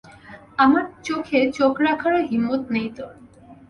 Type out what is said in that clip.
আমার চোখে চোখ রাখারও হিম্মত নেই তোর।